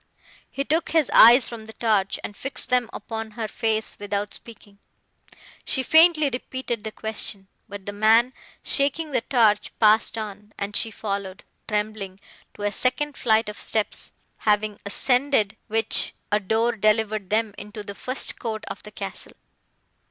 He took his eyes from the torch, and fixed them upon her face without speaking. She faintly repeated the question, but the man, shaking the torch, passed on; and she followed, trembling, to a second flight of steps, having ascended which, a door delivered them into the first court of the castle.